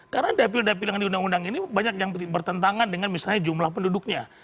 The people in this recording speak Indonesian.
karena dapil dapil yang diundang undang ini banyak yang bertentangan dengan misalnya jumlah penduduknya